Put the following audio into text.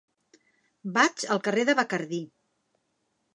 Vaig al carrer de Bacardí.